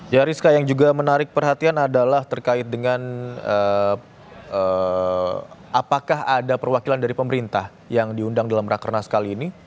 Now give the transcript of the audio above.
ya rizka yang juga menarik perhatian adalah terkait dengan apakah ada perwakilan dari pemerintah yang diundang dalam rakernas kali ini